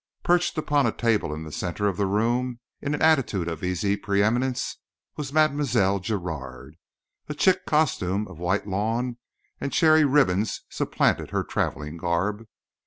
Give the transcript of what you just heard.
Perched upon a table in the centre of the room in an attitude of easy preëminence was Mlle. Giraud. A chic costume of white lawn and cherry ribbons supplanted her travelling garb.